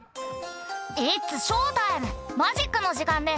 「イッツショータイムマジックの時間です」